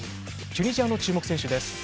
チュニジアの注目選手です。